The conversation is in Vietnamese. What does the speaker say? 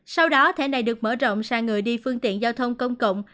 sau đó thẻ này được mở rộng sang người đi phương tiện giao thông công cộng